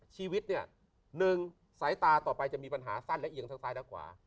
ชีวิตเนี่ย๑สายตาต่อไปจะมีปัญหาสั้นและเอียงซ้างใต้แล้วกว่า